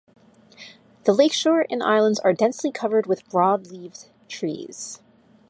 The lakeshore and islands are densely covered with broadleaved trees.